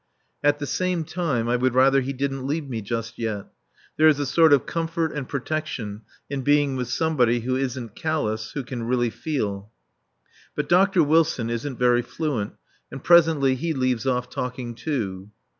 At the same time, I would rather he didn't leave me just yet. There is a sort of comfort and protection in being with somebody who isn't callous, who can really feel. But Dr. Wilson isn't very fluent, and presently he leaves off talking, too.